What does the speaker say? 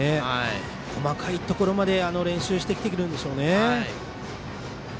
細かいところまで練習してきているんでしょうね。